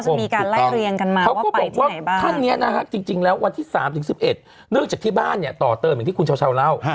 เพราะว่าท่านเนี่ยนะครับจริงแล้ววันที่๓ถึง๑๑เนื่องจากที่บ้านเนี่ยต่อเติมอย่างที่คุณชาวเล่า